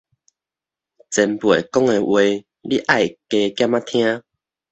前輩講的話你愛加減仔聽